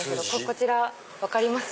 こちら分かります？